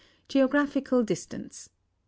"Geographical distance; 2.